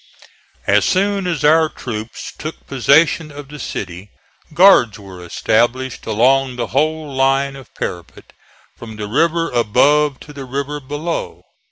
As soon as our troops took possession of the city guards were established along the whole line of parapet, from the river above to the river below.